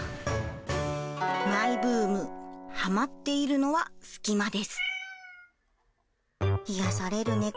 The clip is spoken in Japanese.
マイブームはまっているのは隙間です。